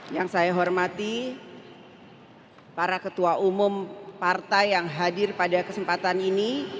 yang saya hormati para ketua umum partai yang hadir pada kesempatan ini